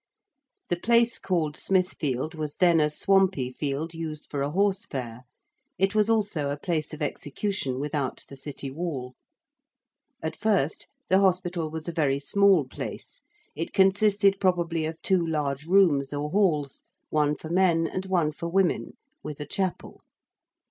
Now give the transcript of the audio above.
The place called Smithfield was then a swampy field used for a horse fair: it was also a place of execution without the City wall. At first the hospital was a very small place. It consisted probably of two large rooms or halls, one for men and one for women with a chapel.